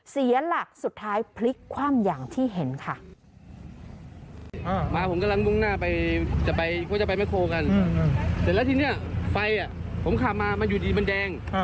เสียหลักสุดท้ายพลิกคว่ำอย่างที่เห็นค่ะ